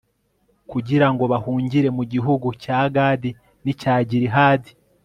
kugira ngo bahungire mu gihugu cya gadi n'icya gilihadi